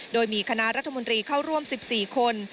โดยมีคณะรัฐมนตรีเข้าร่วม๑๔คน